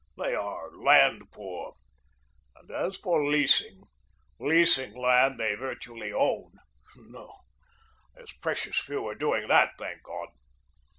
They are land poor. And as for leasing leasing land they virtually own no, there's precious few are doing that, thank God!